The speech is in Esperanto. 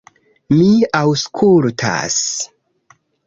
Mi aŭskultas...